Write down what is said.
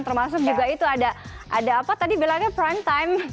di instagram juga itu ada ada apa tadi bilangnya prime time